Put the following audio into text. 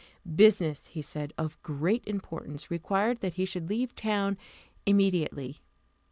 Business, he said, of great importance required that he should leave town immediately.